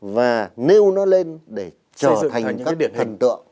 và nêu nó lên để trở thành các thần tượng